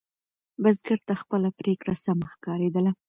بزګر ته خپله پرېکړه سمه ښکارېدله.